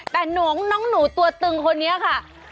แต่หนูตัวตึงคนนี้ค่ะ